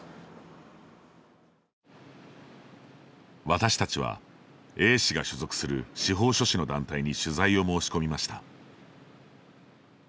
私たちは、Ａ氏が所属する司法書士の団体に取材を申し込みました。